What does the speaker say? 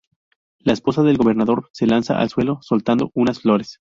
La esposa del gobernador se lanza al suelo soltando unas flores.